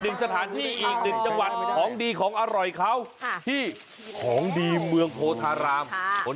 หนึ่งสถานที่อีกหนึ่งจังหวัดของดีของอร่อยเขาที่ของดีเมืองโพธาราม